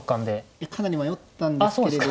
いやかなり迷ったんですけれど。